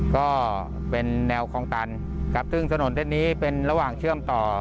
ก็เป็นแนวคลองตันครับซึ่งถนนเส้นนี้เป็นระหว่างเชื่อมต่อ